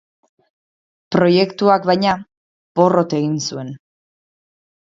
Proiektuak, baina, porrot egin zuen.